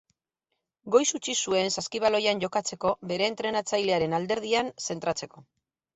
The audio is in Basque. Goiz utzi zuen saskibaloian jokatzeko bere entrenatzailearen alderdian zentratzeko.